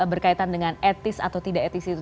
berkaitan dengan etis atau tidak etis itu